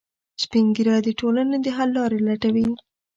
سپین ږیری د ټولنې د حل لارې لټوي